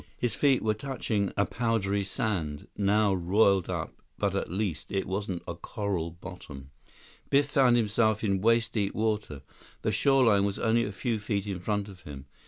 His feet were touching a powdery sand, now roiled up, but at least, it wasn't a coral bottom. Biff found himself in waist deep water. The shoreline was only a few feet in front of him.